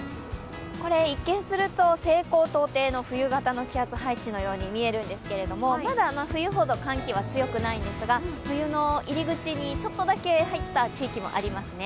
一見すると西高東低の冬型の気圧配置のように見えるんですけれどもまだ冬ほど寒気は強くないんですが、冬の入り口にちょっとだけ入った地域もありますね。